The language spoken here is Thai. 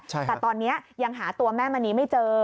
แต่ตอนนี้ยังหาตัวแม่มณีไม่เจอ